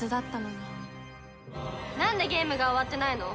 なんでゲームが終わってないの？